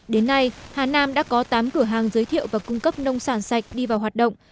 đến nay hà nam đã có tám cửa hàng giới thiệu và cung cấp nông sản sạch đi vào hoạt động